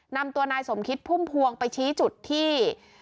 นำตัวนายสมคิดพุ่มพวงไปชี้จุดที่